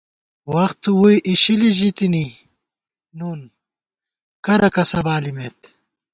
وخت ووئی اِشِلی ژِتِنی نُن، کرہ کسہ بالِمېت